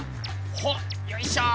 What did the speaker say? ほっよいしょ。